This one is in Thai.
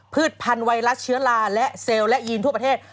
พืชพันธุ์ไวรัสเชื้อราเซลล์ยีนทุกประเทศ